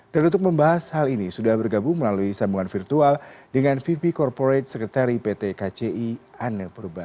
dan untuk membahas hal ini sudah bergabung melalui sambungan virtual dengan vv corporate sekretari pt kci anne purba